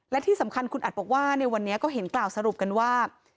และที่สำคัญคุณอัดบอกว่าในวันนี้ก็เห็นกล่าวสรุปกันว่า